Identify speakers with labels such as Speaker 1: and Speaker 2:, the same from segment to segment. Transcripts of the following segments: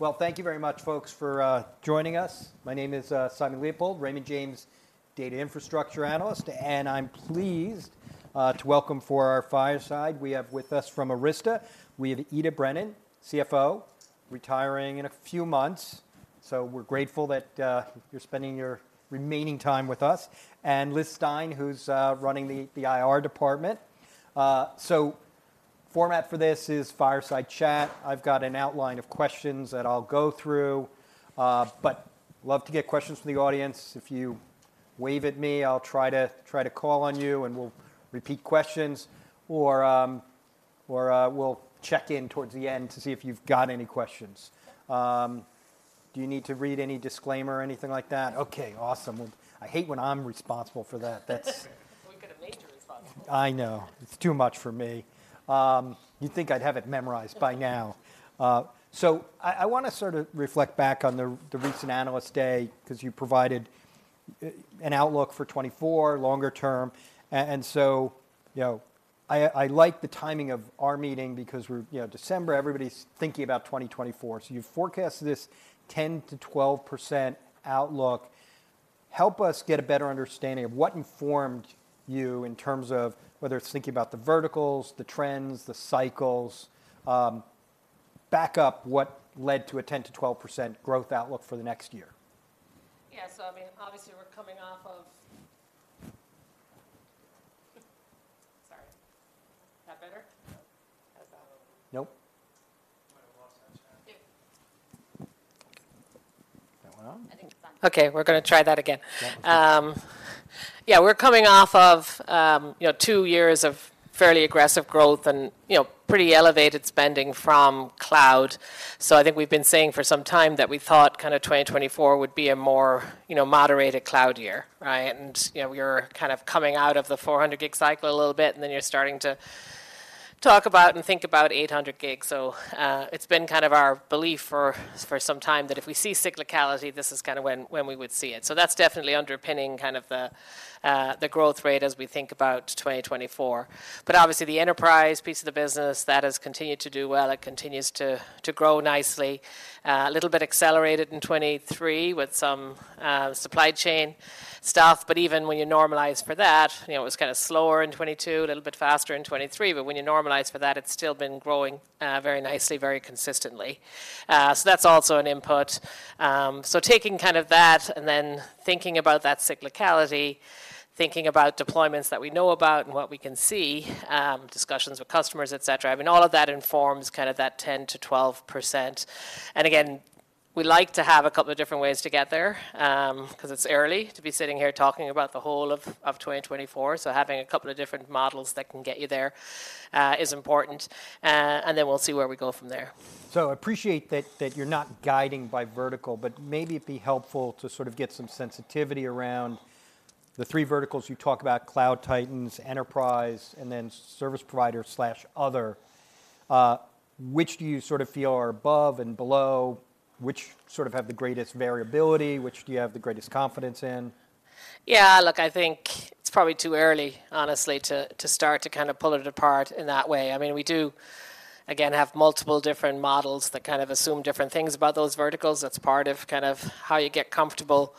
Speaker 1: Well, thank you very much, folks, for joining us. My name is Simon Leopold, Raymond James, data infrastructure analyst, and I'm pleased to welcome for our fireside, we have with us from Arista, we have Ita Brennan, CFO, retiring in a few months. So we're grateful that you're spending your remaining time with us, and Liz Stine, who's running the IR department. So format for this is fireside chat. I've got an outline of questions that I'll go through, but love to get questions from the audience. If you wave at me, I'll try to call on you, and we'll repeat questions, or, or, we'll check in towards the end to see if you've got any questions. Do you need to read any disclaimer or anything like that? Okay, awesome. I hate when I'm responsible for that. That's-
Speaker 2: We've got a major responsible.
Speaker 1: I know. It's too much for me. You'd think I'd have it memorized by now. So I want to sort of reflect back on the recent Analyst Day, 'cause you provided an outlook for 2024, longer term. And so, you know, I like the timing of our meeting because we're, you know, December, everybody's thinking about 2024. So you've forecasted this 10%-12% outlook. Help us get a better understanding of what informed you in terms of whether it's thinking about the verticals, the trends, the cycles, back up what led to a 10%-12% growth outlook for the next year.
Speaker 2: Yeah, so I mean, obviously, we're coming off of... Sorry. Is that better? How's that?
Speaker 1: Nope. Might have lost our sound.
Speaker 2: Yeah.
Speaker 1: That one on?
Speaker 3: I think it's on.
Speaker 2: Okay, we're gonna try that again.
Speaker 1: Yeah.
Speaker 2: Yeah, we're coming off of, you know, 2 years of fairly aggressive growth and, you know, pretty elevated spending from cloud. So I think we've been saying for some time that we thought kind of 2024 would be a more, you know, moderated cloud year, right? And, you know, we are kind of coming out of the 400 gig cycle a little bit, and then you're starting to talk about and think about 800 gigs. So, it's been kind of our belief for some time that if we see cyclicality, this is kind of when we would see it. So that's definitely underpinning kind of the, the growth rate as we think about 2024. But obviously, the enterprise piece of the business, that has continued to do well. It continues to grow nicely, a little bit accelerated in 2023 with some supply chain stuff, but even when you normalize for that, you know, it was kind of slower in 2022, a little bit faster in 2023, but when you normalize for that, it's still been growing very nicely, very consistently. So that's also an input. So taking kind of that and then thinking about that cyclicality, thinking about deployments that we know about and what we can see, discussions with customers, et cetera. I mean, all of that informs kind of that 10%-12%. And again, we like to have a couple of different ways to get there, 'cause it's early to be sitting here talking about the whole of 2024. Having a couple of different models that can get you there is important, and then we'll see where we go from there.
Speaker 1: So I appreciate that, that you're not guiding by vertical, but maybe it'd be helpful to sort of get some sensitivity around the three verticals you talk about, cloud titans, enterprise, and then service provider/other. Which do you sort of feel are above and below? Which sort of have the greatest variability? Which do you have the greatest confidence in?
Speaker 2: Yeah, look, I think it's probably too early, honestly, to start to kind of pull it apart in that way. I mean, we do, again, have multiple different models that kind of assume different things about those verticals. That's part of kind of how you get comfortable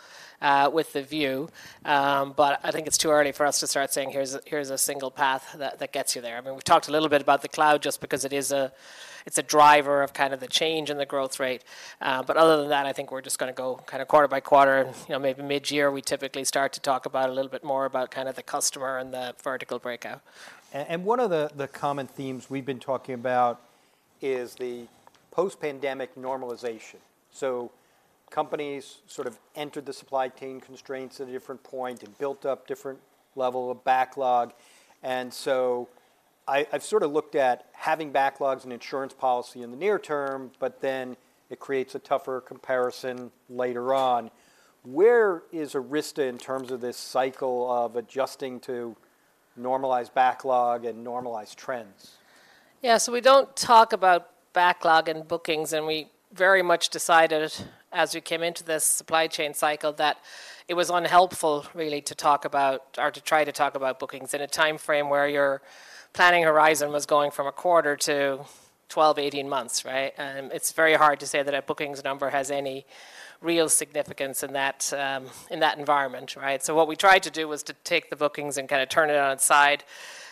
Speaker 2: with the view. But I think it's too early for us to start saying, "Here's a single path that gets you there." I mean, we've talked a little bit about the cloud just because it is—it's a driver of kind of the change in the growth rate. But other than that, I think we're just gonna go kind of quarter by quarter, and you know, maybe mid-year, we typically start to talk about a little bit more about kind of the customer and the vertical breakout.
Speaker 1: And one of the common themes we've been talking about is the post-pandemic normalization. So companies sort of entered the supply chain constraints at a different point and built up different level of backlog. And so I've sort of looked at having backlogs as an insurance policy in the near term, but then it creates a tougher comparison later on. Where is Arista in terms of this cycle of adjusting to normalized backlog and normalized trends?
Speaker 2: Yeah, so we don't talk about backlog and bookings, and we very much decided as we came into this supply chain cycle, that it was unhelpful, really, to talk about or to try to talk about bookings in a time frame where your planning horizon was going from a quarter to 12, 18 months, right? It's very hard to say that a bookings number has any real significance in that environment, right? So what we tried to do was to take the bookings and kind of turn it on its side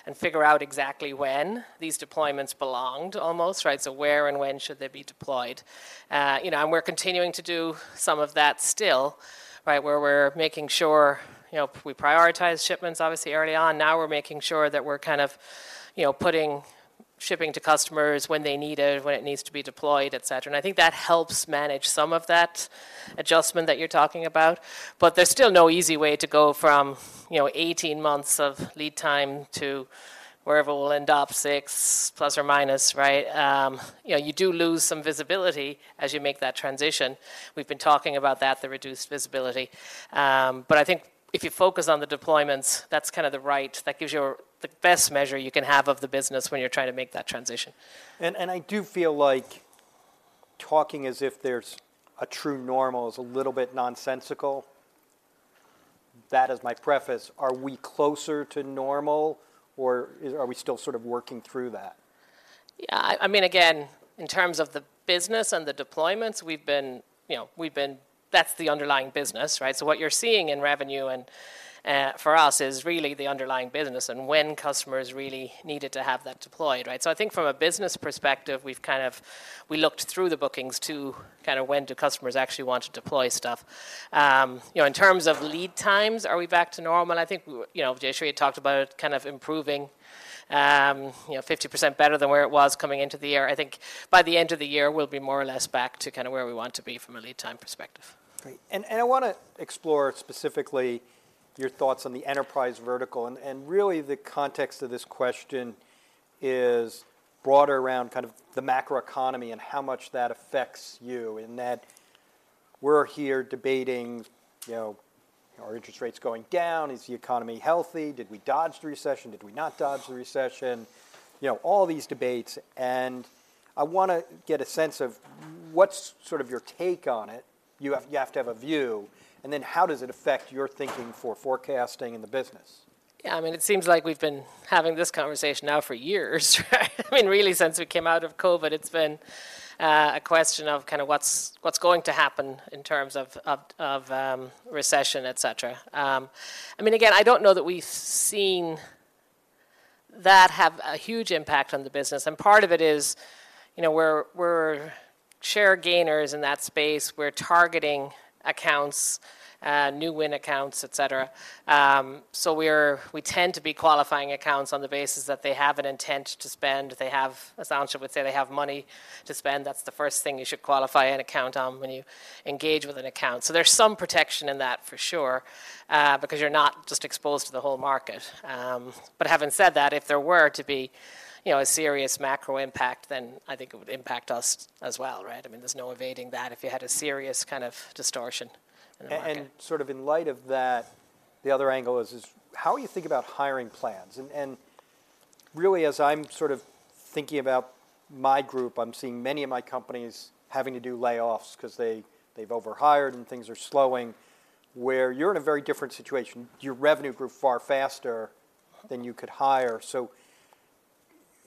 Speaker 2: and figure out exactly when these deployments belonged, almost, right? So where and when should they be deployed? You know, and we're continuing to do some of that still, right? Where we're making sure, you know, we prioritize shipments, obviously, early on. Now we're making sure that we're kind of, you know, putting shipping to customers when they need it, when it needs to be deployed, et cetera. And I think that helps manage some of that adjustment that you're talking about. But there's still no easy way to go from, you know, 18 months of lead time to wherever we'll end up, 6 ±, right? You know, you do lose some visibility as you make that transition. We've been talking about that, the reduced visibility. But I think if you focus on the deployments, that gives you the best measure you can have of the business when you're trying to make that transition.
Speaker 1: I do feel like talking as if there's a true normal is a little bit nonsensical... That is my preface. Are we closer to normal, or are we still sort of working through that?
Speaker 2: Yeah, I mean, again, in terms of the business and the deployments, we've been, you know, we've been, that's the underlying business, right? So what you're seeing in revenue and, for us, is really the underlying business and when customers really needed to have that deployed, right? So I think from a business perspective, we've kind of, we looked through the bookings to kind of when do customers actually want to deploy stuff. You know, in terms of lead times, are we back to normal? I think we, you know, Jayshree had talked about it kind of improving, you know, 50% better than where it was coming into the year. I think by the end of the year, we'll be more or less back to kind of where we want to be from a lead time perspective.
Speaker 1: Great. And I want to explore specifically your thoughts on the enterprise vertical. And really, the context of this question is broader around kind of the macroeconomy and how much that affects you, in that we're here debating, you know, are interest rates going down? Is the economy healthy? Did we dodge the recession? Did we not dodge the recession? You know, all these debates, and I want to get a sense of what's sort of your take on it. You have to have a view, and then how does it affect your thinking for forecasting in the business?
Speaker 2: Yeah, I mean, it seems like we've been having this conversation now for years, right? I mean, really, since we came out of COVID, it's been a question of kind of what's, what's going to happen in terms of, of, of recession, et cetera. I mean, again, I don't know that we've seen that have a huge impact on the business, and part of it is, you know, we're, we're share gainers in that space. We're targeting accounts, new win accounts, et cetera. So we tend to be qualifying accounts on the basis that they have an intent to spend. They have, as Anshul would say, they have money to spend. That's the first thing you should qualify an account on when you engage with an account. So there's some protection in that for sure, because you're not just exposed to the whole market. But having said that, if there were to be, you know, a serious macro impact, then I think it would impact us as well, right? I mean, there's no evading that if you had a serious kind of distortion in the market.
Speaker 1: And sort of in light of that, the other angle is how you think about hiring plans. And really, as I'm sort of thinking about my group, I'm seeing many of my companies having to do layoffs 'cause they, they've overhired and things are slowing, where you're in a very different situation. Your revenue grew far faster than you could hire. So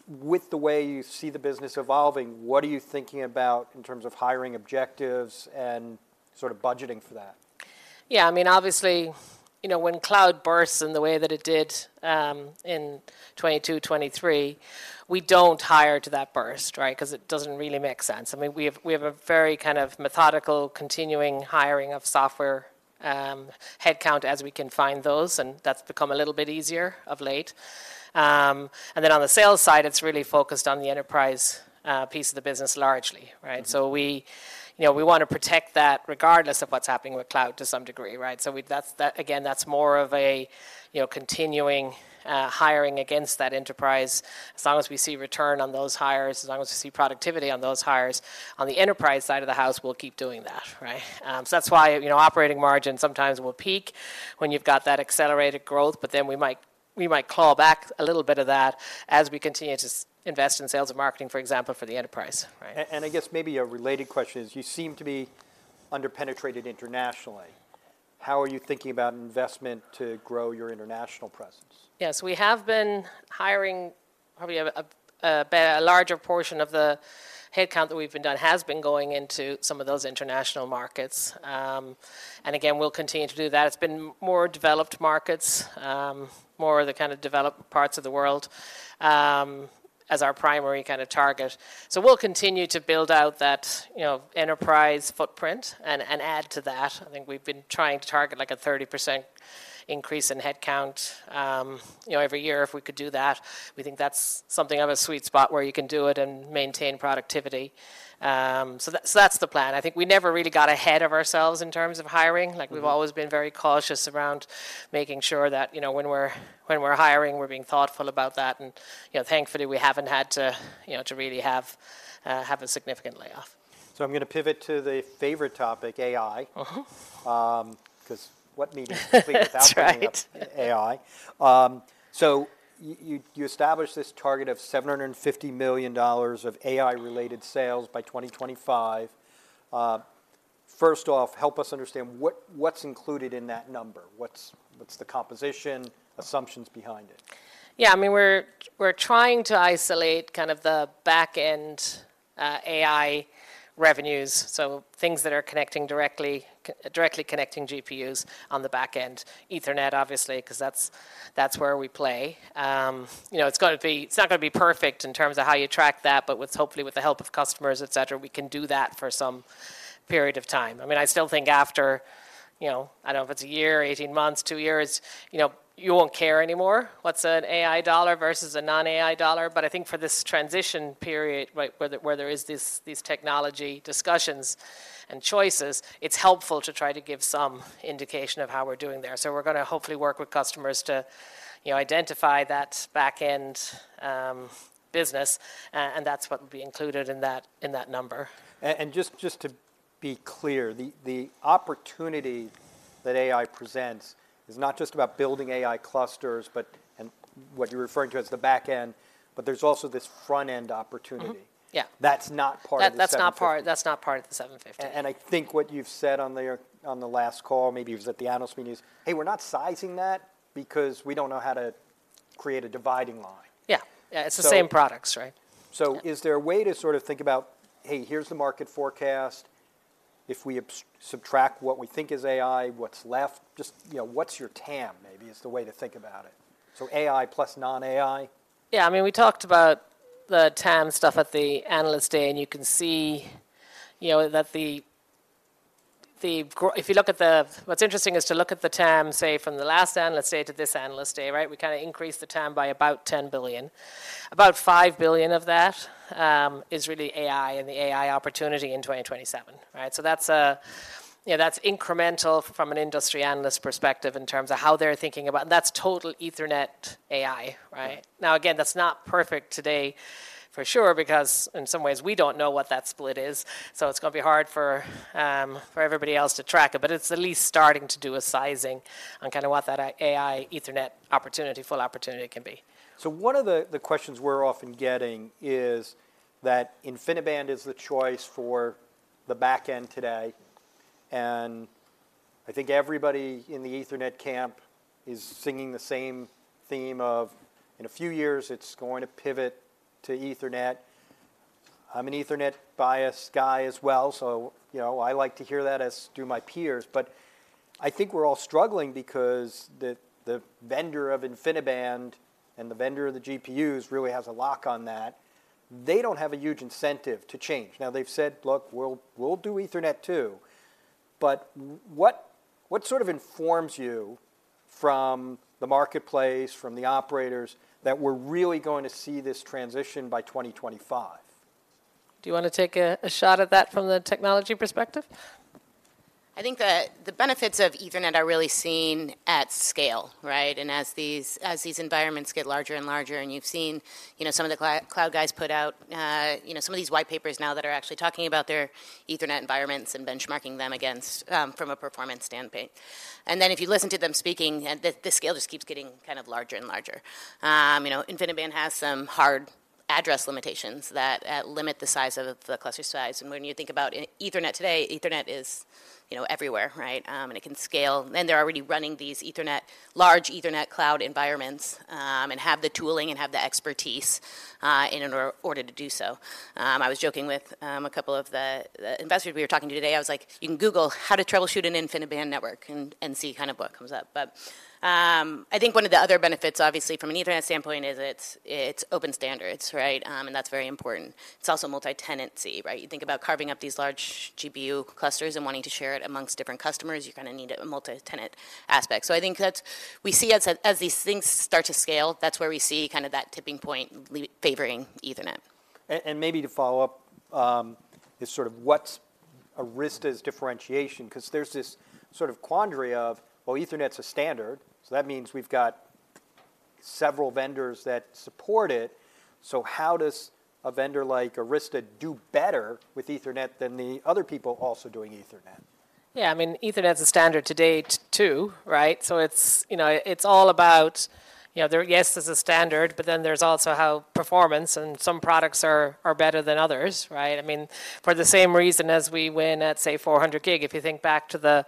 Speaker 1: with the way you see the business evolving, what are you thinking about in terms of hiring objectives and sort of budgeting for that?
Speaker 2: Yeah, I mean, obviously, you know, when cloud bursts in the way that it did, in 2022, 2023, we don't hire to that burst, right? 'Cause it doesn't really make sense. I mean, we have, we have a very kind of methodical, continuing hiring of software, headcount as we can find those, and that's become a little bit easier of late. And then on the sales side, it's really focused on the enterprise, piece of the business largely, right?
Speaker 1: Mm-hmm.
Speaker 2: So we, you know, we want to protect that regardless of what's happening with cloud to some degree, right? So that's, that again, that's more of a, you know, continuing hiring against that enterprise. As long as we see return on those hires, as long as we see productivity on those hires, on the enterprise side of the house, we'll keep doing that, right? So that's why, you know, operating margin sometimes will peak when you've got that accelerated growth, but then we might, we might call back a little bit of that as we continue to invest in sales and marketing, for example, for the enterprise, right.
Speaker 1: I guess maybe a related question is, you seem to be under-penetrated internationally. How are you thinking about investment to grow your international presence?
Speaker 2: Yes, we have been hiring. Probably a larger portion of the headcount that we've been done has been going into some of those international markets. And again, we'll continue to do that. It's been more developed markets, more of the kind of developed parts of the world, as our primary kind of target. So we'll continue to build out that, you know, enterprise footprint and add to that. I think we've been trying to target, like, a 30% increase in headcount, you know, every year. If we could do that, we think that's something of a sweet spot where you can do it and maintain productivity. So that's the plan. I think we never really got ahead of ourselves in terms of hiring.
Speaker 1: Mm-hmm.
Speaker 2: Like, we've always been very cautious around making sure that, you know, when we're hiring, we're being thoughtful about that. And, you know, thankfully, we haven't had to, you know, to really have a significant layoff.
Speaker 1: So I'm going to pivot to the favorite topic, AI.
Speaker 2: Mm-hmm.
Speaker 1: 'Cause what meeting-
Speaker 2: That's right
Speaker 1: ...is complete without talking about AI? So you established this target of $750 million of AI-related sales by 2025. First off, help us understand what's included in that number. What's the composition, assumptions behind it?
Speaker 2: Yeah, I mean, we're, we're trying to isolate kind of the back-end, AI revenues, so things that are connecting directly, directly connecting GPUs on the back end. Ethernet, obviously, 'cause that's, that's where we play. You know, it's gonna be—it's not gonna be perfect in terms of how you track that, but with, hopefully, with the help of customers, et cetera, we can do that for some period of time. I mean, I still think after, you know, I don't know if it's a year, 18 months, 2 years, you know, you won't care anymore what's an AI dollar versus a non-AI dollar. But I think for this transition period, right, where there, where there is this, these technology discussions and choices, it's helpful to try to give some indication of how we're doing there. So we're going to hopefully work with customers to, you know, identify that back-end business, and that's what will be included in that, in that number.
Speaker 1: And just to be clear, the opportunity that AI presents is not just about building AI clusters, but... and what you're referring to as the back-end, but there's also this front-end opportunity.
Speaker 2: Mm-hmm. Yeah.
Speaker 1: That's not part of the 750.
Speaker 2: That's not part of the 750.
Speaker 1: I think what you've said on the, on the last call, maybe it was at the analyst meeting, is, "Hey, we're not sizing that because we don't know how to... create a dividing line?
Speaker 2: Yeah. Yeah,
Speaker 1: So-
Speaker 2: It's the same products, right?
Speaker 1: So is there a way to sort of think about, hey, here's the market forecast. If we subtract what we think is AI, what's left? Just, you know, what's your TAM, maybe, is the way to think about it. So AI plus non-AI?
Speaker 2: Yeah, I mean, we talked about the TAM stuff at the Analyst Day, and you can see, you know, that the, if you look at the... What's interesting is to look at the TAM, say, from the last Analyst Day to this Analyst Day, right? We kinda increased the TAM by about $10 billion. About $5 billion of that is really AI and the AI opportunity in 2027, right? So that's a, you know, that's incremental from an industry analyst perspective in terms of how they're thinking about, and that's total Ethernet AI, right?
Speaker 1: Yeah.
Speaker 2: Now, again, that's not perfect today, for sure, because in some ways, we don't know what that split is, so it's gonna be hard for everybody else to track it, but it's at least starting to do a sizing on kinda what that AI Ethernet opportunity, full opportunity can be.
Speaker 1: So one of the questions we're often getting is that InfiniBand is the choice for the back end today, and I think everybody in the Ethernet camp is singing the same theme of, in a few years, it's going to pivot to Ethernet. I'm an Ethernet-biased guy as well, so, you know, I like to hear that, as do my peers. But I think we're all struggling because the vendor of InfiniBand and the vendor of the GPUs really has a lock on that. They don't have a huge incentive to change. Now, they've said, "Look, we'll do Ethernet, too." But what sort of informs you from the marketplace, from the operators, that we're really going to see this transition by 2025?
Speaker 2: Do you wanna take a shot at that from the technology perspective?
Speaker 4: I think the benefits of Ethernet are really seen at scale, right? And as these environments get larger and larger, and you've seen, you know, some of the cloud guys put out, you know, some of these white papers now that are actually talking about their Ethernet environments and benchmarking them against, from a performance standpoint. And then, if you listen to them speaking, and the scale just keeps getting kind of larger and larger. You know, InfiniBand has some hard address limitations that limit the size of the cluster size, and when you think about Ethernet today, Ethernet is, you know, everywhere, right? And it can scale, and they're already running these Ethernet, large Ethernet cloud environments, and have the tooling and have the expertise, in order to do so. I was joking with a couple of the investors we were talking to today. I was like, "You can Google how to troubleshoot an InfiniBand network and see kind of what comes up." But I think one of the other benefits, obviously, from an Ethernet standpoint, is it's open standards, right? And that's very important. It's also multi-tenancy, right? You think about carving up these large GPU clusters and wanting to share it among different customers, you kinda need a multi-tenant aspect. So I think that's- we see as these things start to scale, that's where we see kind of that tipping point le- favoring Ethernet.
Speaker 1: And maybe to follow up, is sort of what's Arista's differentiation? 'Cause there's this sort of quandary of, well, Ethernet's a standard, so that means we've got several vendors that support it, so how does a vendor like Arista do better with Ethernet than the other people also doing Ethernet?
Speaker 2: Yeah, I mean, Ethernet's a standard to date, too, right? So it's, you know, it's all about, you know, yes, there's a standard, but then there's also how performance and some products are better than others, right? I mean, for the same reason as we win at, say, 400 gig, if you think back to the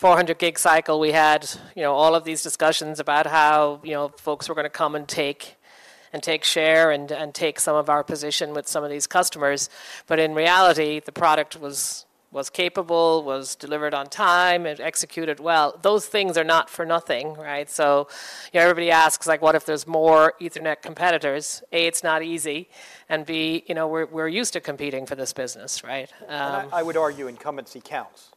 Speaker 2: 400 gig cycle, we had, you know, all of these discussions about how, you know, folks were gonna come and take share and take some of our position with some of these customers. But in reality, the product was capable, was delivered on time, it executed well. Those things are not for nothing, right? So, you know, everybody asks, like, "What if there's more Ethernet competitors?" A, it's not easy, and B, you know, we're used to competing for this business, right?
Speaker 1: I would argue incumbency counts.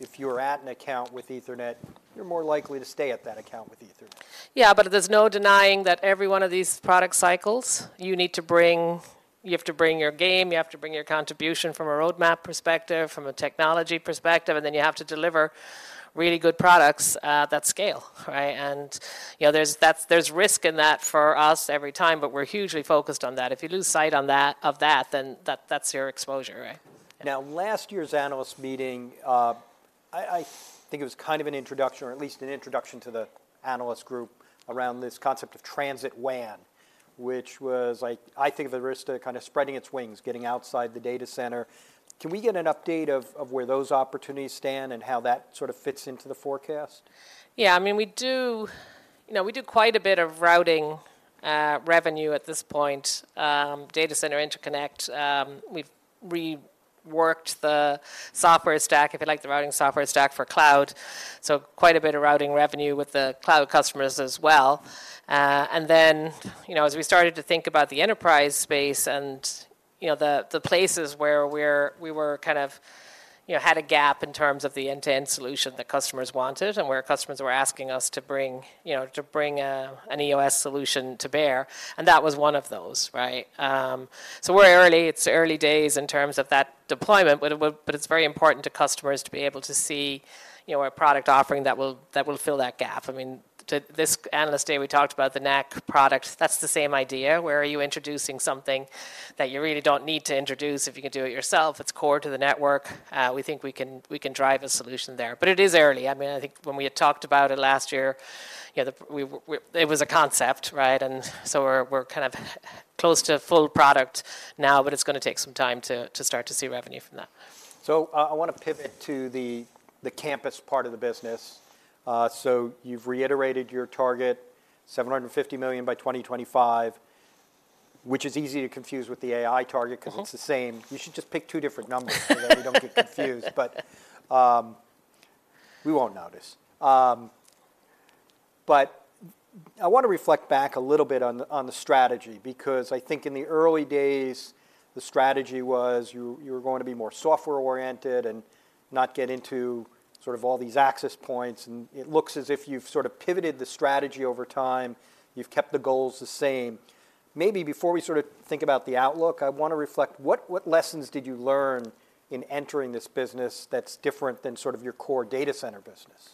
Speaker 1: If you're at an account with Ethernet, you're more likely to stay at that account with Ethernet.
Speaker 2: Yeah, but there's no denying that every one of these product cycles, you need to bring... You have to bring your game, you have to bring your contribution from a roadmap perspective, from a technology perspective, and then you have to deliver really good products at that scale, right? And, you know, there's, that's, there's risk in that for us every time, but we're hugely focused on that. If you lose sight on that, of that, then that, that's your exposure, right?
Speaker 1: Now, last year's analyst meeting, I think it was kind of an introduction, or at least an introduction to the analyst group, around this concept of Transit WAN, which was, like, I think, of Arista kind of spreading its wings, getting outside the data center. Can we get an update of where those opportunities stand and how that sort of fits into the forecast?
Speaker 2: Yeah, I mean, we do, you know, we do quite a bit of routing revenue at this point, data center interconnect. We've reworked the software stack, if you like, the routing software stack for cloud, so quite a bit of routing revenue with the cloud customers as well. And then, you know, as we started to think about the enterprise space and, you know, the places where we were kind of, you know, had a gap in terms of the end-to-end solution that customers wanted and where customers were asking us to bring, you know, to bring an EOS solution to bear, and that was one of those, right? So we're early. It's early days in terms of that deployment, but it's very important to customers to be able to see, you know, a product offering that will, that will fill that gap. I mean, to this Analyst Day, we talked about the NAC product. That's the same idea, where are you introducing something that you really don't need to introduce if you can do it yourself? It's core to the network. We think we can, we can drive a solution there, but it is early. I mean, I think when we had talked about it last year, you know, it was a concept, right? And so we're, we're kind of close to full product now, but it's gonna take some time to, to start to see revenue from that.
Speaker 1: So, I wanna pivot to the campus part of the business. So you've reiterated your target, $750 million by 2025... which is easy to confuse with the AI target-
Speaker 2: Mm-hmm.
Speaker 1: 'Cause it's the same. You should just pick 2 different numbers—so that we don't get confused. But we won't notice. But I want to reflect back a little bit on the strategy, because I think in the early days, the strategy was you were going to be more software-oriented and not get into sort of all these access points, and it looks as if you've sort of pivoted the strategy over time. You've kept the goals the same. Maybe before we sort of think about the outlook, I want to reflect what lessons did you learn in entering this business that's different than sort of your core data center business?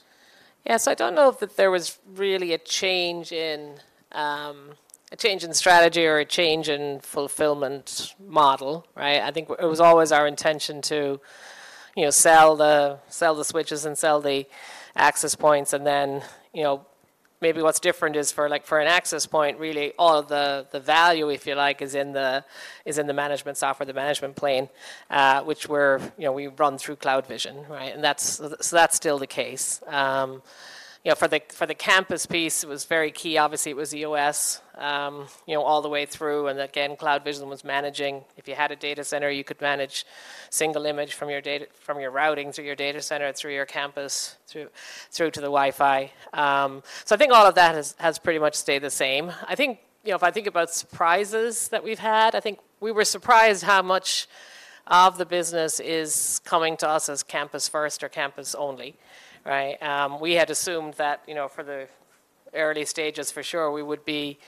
Speaker 2: Yes. I don't know if that there was really a change in, a change in strategy or a change in fulfillment model, right? I think it was always our intention to, you know, sell the, sell the switches and sell the access points, and then, you know, maybe what's different is for like for an access point, really, all of the, the value, if you like, is in the, is in the management software, the management plane, which we run through CloudVision, right? And that's so that's still the case. You know, for the, for the campus piece, it was very key. Obviously, it was EOS, you know, all the way through, and again, CloudVision was managing. If you had a data center, you could manage single image from your routing through your data center, through your campus to the Wi-Fi. So I think all of that has pretty much stayed the same. I think, you know, if I think about surprises that we've had, I think we were surprised how much of the business is coming to us as campus-first or campus-only, right? We had assumed that, you know, for the early stages, for sure, we would be,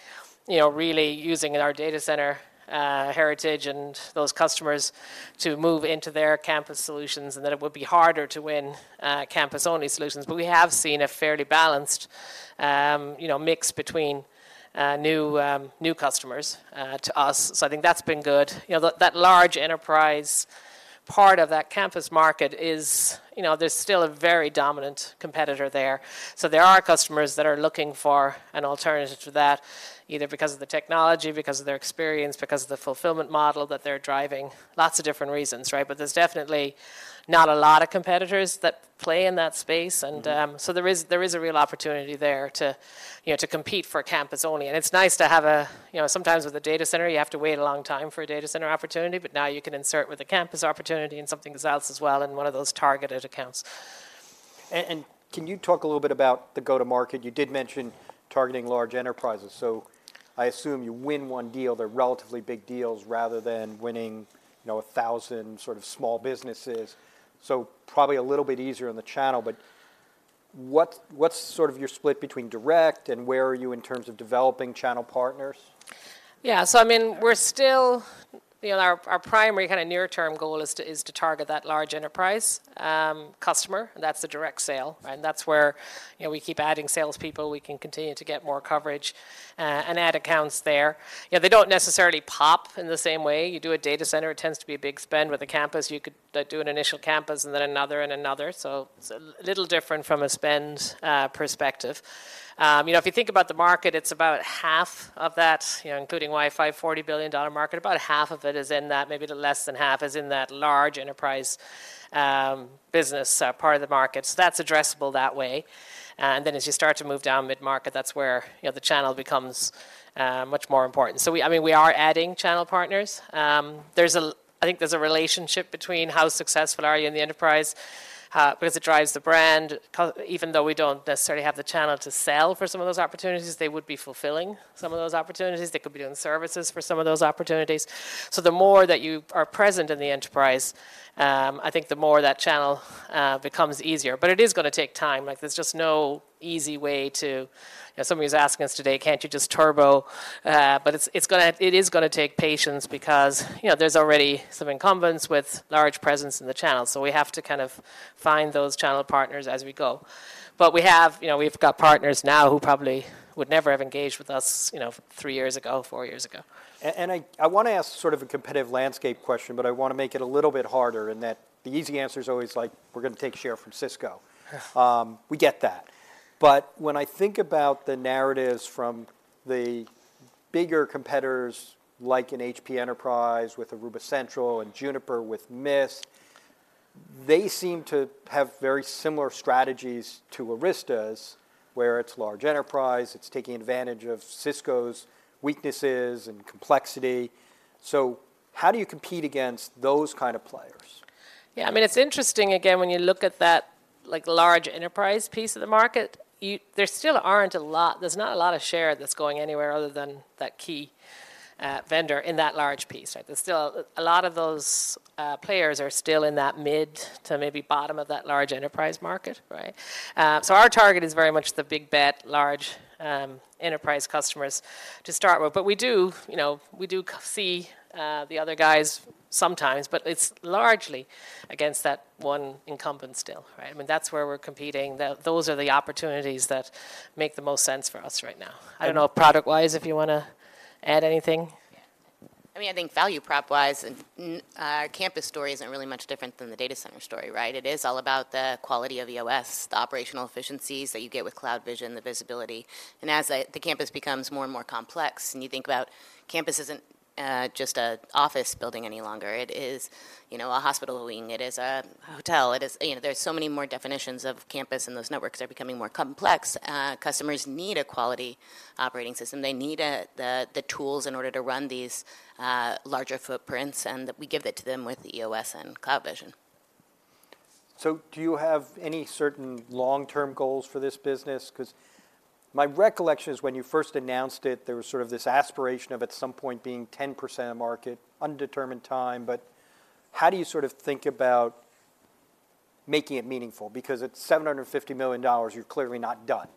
Speaker 2: you know, really using our data center heritage and those customers to move into their campus solutions, and that it would be harder to win campus-only solutions. But we have seen a fairly balanced, you know, mix between new customers to us, so I think that's been good. You know, that large enterprise part of that campus market is... You know, there's still a very dominant competitor there. So there are customers that are looking for an alternative to that, either because of the technology, because of their experience, because of the fulfillment model that they're driving. Lots of different reasons, right? But there's definitely not a lot of competitors that play in that space.
Speaker 1: Mm-hmm.
Speaker 2: There is a real opportunity there to, you know, to compete for campus-only. And it's nice to have a... You know, sometimes with a data center, you have to wait a long time for a data center opportunity, but now you can insert with a campus opportunity and something else as well, and one of those targeted accounts.
Speaker 1: And can you talk a little bit about the go-to-market? You did mention targeting large enterprises, so I assume you win one deal, they're relatively big deals, rather than winning, you know, 1,000 sort of small businesses. So probably a little bit easier on the channel, but what's sort of your split between direct and where are you in terms of developing channel partners?
Speaker 2: Yeah. So I mean, we're still, you know, our primary kind of near-term goal is to target that large enterprise customer, and that's the direct sale, right? And that's where, you know, we keep adding salespeople. We can continue to get more coverage, and add accounts there. You know, they don't necessarily pop in the same way. You do a data center, it tends to be a big spend. With a campus, you could do an initial campus and then another and another. So it's a little different from a spend perspective. You know, if you think about the market, it's about half of that, you know, including Wi-Fi, $40 billion market, about half of it is in that, maybe a little less than half, is in that large enterprise business part of the market. So that's addressable that way, and then as you start to move down mid-market, that's where, you know, the channel becomes much more important. So I mean, we are adding channel partners. I think there's a relationship between how successful are you in the enterprise, because it drives the brand. Even though we don't necessarily have the channel to sell for some of those opportunities, they would be fulfilling some of those opportunities. They could be doing services for some of those opportunities. So the more that you are present in the enterprise, I think the more that channel becomes easier. But it is gonna take time. Like, there's just no easy way to... You know, somebody was asking us today: "Can't you just turbo?" But it's gonna take patience because, you know, there's already some incumbents with large presence in the channel, so we have to kind of find those channel partners as we go. But we have... You know, we've got partners now who probably would never have engaged with us, you know, three years ago, four years ago.
Speaker 1: I want to ask sort of a competitive landscape question, but I want to make it a little bit harder in that the easy answer is always, like, we're going to take share from Cisco. We get that. But when I think about the narratives from the bigger competitors, like in HP Enterprise with Aruba Central and Juniper with Mist, they seem to have very similar strategies to Arista's, where it's large enterprise, it's taking advantage of Cisco's weaknesses and complexity. So how do you compete against those kind of players?
Speaker 2: Yeah, I mean, it's interesting, again, when you look at that, like, large enterprise piece of the market, there's not a lot of share that's going anywhere other than that key vendor in that large piece, right? There's still a lot of those players are still in that mid to maybe bottom of that large enterprise market, right? So our target is very much the big bet, large enterprise customers to start with. But we do, you know, we do see the other guys sometimes, but it's largely against that one incumbent still, right? I mean, that's where we're competing. Those are the opportunities that make the most sense for us right now.
Speaker 1: And-
Speaker 2: I don't know, product-wise, if you want to add anything.
Speaker 4: I mean, I think value prop-wise, our campus story isn't really much different than the data center story, right? It is all about the quality of EOS, the operational efficiencies that you get with CloudVision, the visibility. And as the campus becomes more and more complex, and you think about campus isn't just a office building any longer. It is, you know, a hospital wing, it is a hotel, it is... You know, there are so many more definitions of campus, and those networks are becoming more complex. Customers need a quality operating system. They need the tools in order to run these larger footprints, and we give that to them with EOS and CloudVision....
Speaker 1: So do you have any certain long-term goals for this business? 'Cause my recollection is when you first announced it, there was sort of this aspiration of at some point being 10% of the market, undetermined time. But how do you sort of think about making it meaningful? Because at $750 million, you're clearly not done.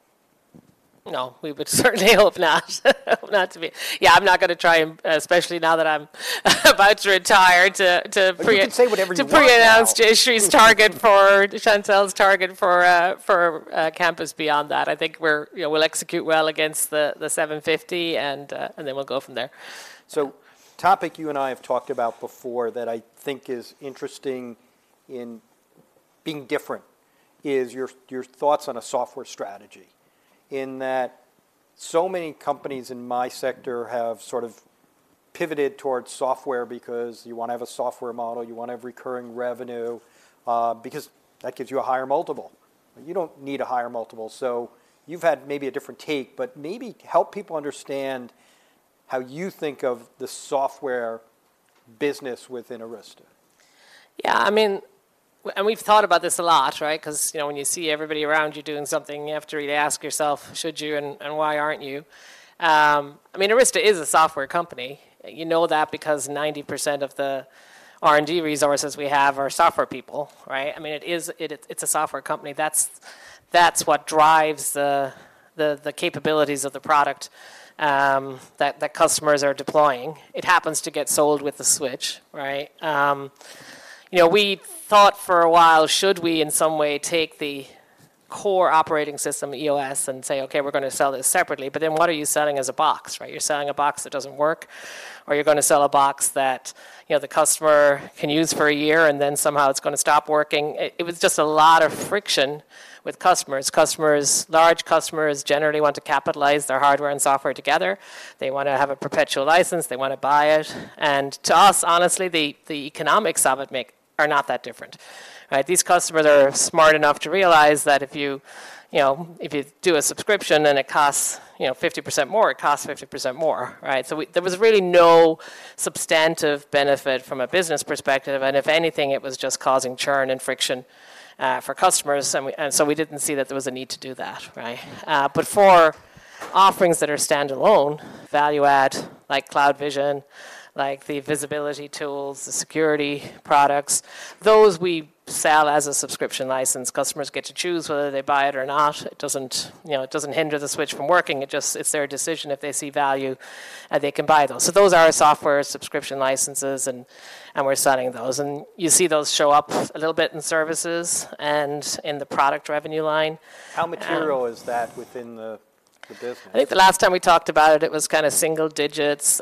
Speaker 2: No, we would certainly hope not. Hope not to be. Yeah, I'm not gonna try and, especially now that I'm about to retire, to, to pre-
Speaker 1: But you can say whatever you want now.
Speaker 2: To pre-announce Jayshree's target for Chantelle's target for campus beyond that. I think we're, you know, we'll execute well against the 750, and then we'll go from there.
Speaker 1: So, topic you and I have talked about before that I think is interesting in being different, is your, your thoughts on a software strategy. In that so many companies in my sector have sort of pivoted towards software because you wanna have a software model, you want to have recurring revenue, because that gives you a higher multiple. You don't need a higher multiple, so you've had maybe a different take, but maybe help people understand how you think of the software business within Arista.
Speaker 2: Yeah, I mean, and we've thought about this a lot, right? 'Cause, you know, when you see everybody around you doing something, you have to really ask yourself, should you, and why aren't you? I mean, Arista is a software company. You know that because 90% of the R&D resources we have are software people, right? I mean, it is, it's a software company. That's what drives the capabilities of the product that customers are deploying. It happens to get sold with a switch, right? You know, we thought for a while, should we in some way take the core operating system, EOS, and say, "Okay, we're gonna sell this separately." But then what are you selling as a box, right? You're selling a box that doesn't work, or you're gonna sell a box that, you know, the customer can use for a year, and then somehow it's gonna stop working. It was just a lot of friction with customers. Customers, large customers generally want to capitalize their hardware and software together. They wanna have a perpetual license, they wanna buy it, and to us, honestly, the economics of it are not that different, right? These customers are smart enough to realize that if you, you know, if you do a subscription and it costs, you know, 50% more, it costs 50% more, right? There was really no substantive benefit from a business perspective, and if anything, it was just causing churn and friction for customers, and so we didn't see that there was a need to do that, right? But for offerings that are standalone, value add, like CloudVision, like the visibility tools, the security products, those we sell as a subscription license. Customers get to choose whether they buy it or not. It doesn't, you know, it doesn't hinder the switch from working, it just, it's their decision if they see value, they can buy those. So those are software subscription licenses, and, and we're selling those, and you see those show up a little bit in services and in the product revenue line.
Speaker 1: How material is that within the business?
Speaker 2: I think the last time we talked about it, it was kind of single digits.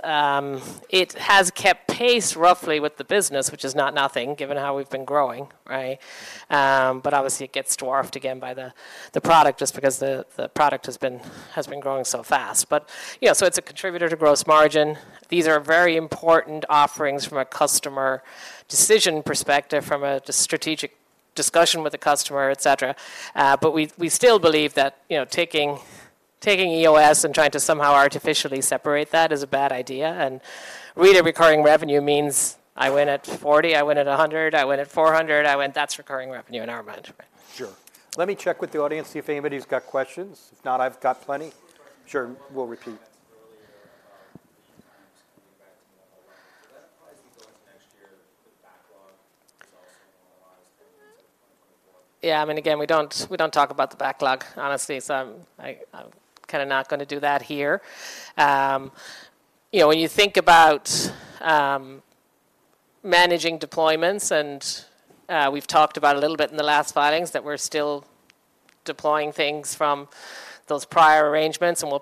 Speaker 2: It has kept pace roughly with the business, which is not nothing, given how we've been growing, right? But obviously, it gets dwarfed again by the product, just because the product has been growing so fast. But yeah, so it's a contributor to gross margin. These are very important offerings from a customer decision perspective, from a strategic discussion with the customer, et cetera. But we still believe that, you know, taking EOS and trying to somehow artificially separate that is a bad idea, and really, recurring revenue means I win at 40, I win at 100, I win at 400, I win. That's recurring revenue in our mind.
Speaker 1: Sure. Let me check with the audience, see if anybody's got questions. If not, I've got plenty. Sure, we'll repeat.
Speaker 5: Earlier, coming back to... Will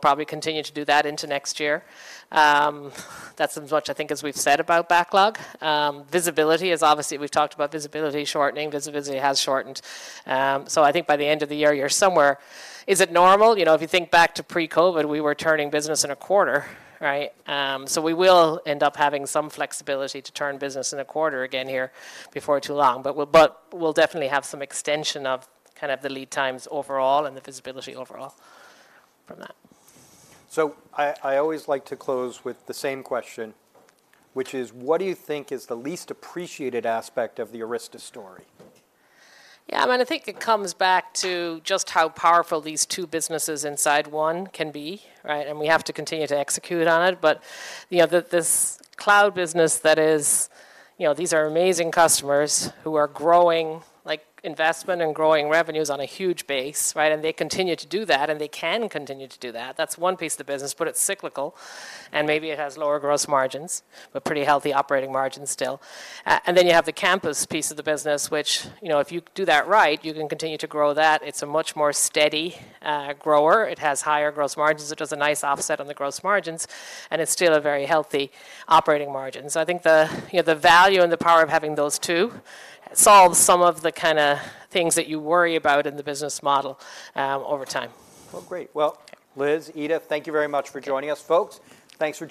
Speaker 5: that probably be going to next year with backlog as well?